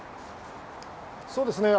そうですね。